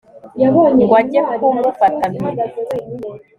ngo ajye kumufata mpiri